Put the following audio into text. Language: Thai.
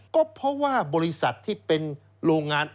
ก็เพราะว่าบริษัทที่เป็นโรงงาน